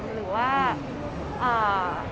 หรือว่าอ่า